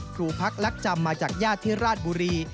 ครูพักลักจำมาจากญาติที่ราชบุรี